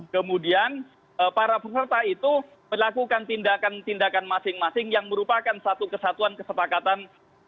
kemudian para peserta itu melakukan tindakan tindakan masing masing yang merupakan satu kesatuan kesepakatan